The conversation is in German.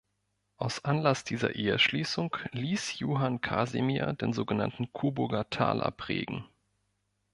Aus Anlass dieser Eheschließung ließ Johann Casimir den sogenannten Coburger Taler prägen.